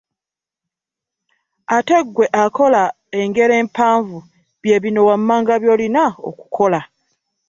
Ate gwe akola engero empanvu byebino wammanga byolina okukola .